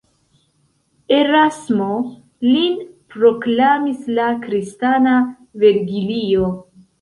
Erasmo lin proklamis la kristana Vergilio.